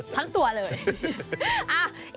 ทั้งตัวเลย